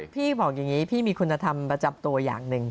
พี่บอกอย่างนี้พี่มีคุณธรรมประจำตัวอย่างหนึ่ง